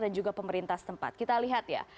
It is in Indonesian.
dan juga pemerintah setempat kita lihat ya